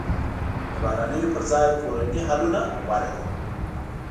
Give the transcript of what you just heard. د بهرنیو پر ځای کورني حلونه غوره دي.